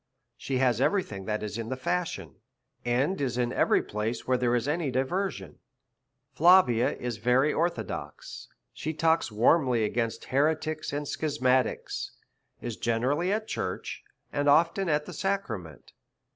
She has every thing that is in the fashion, and is in every place where there is any diversion. Flavia is very orthodox ; she talks warmly ag ainst he retics and schismatics^ is generally at church, and often at the sacrament.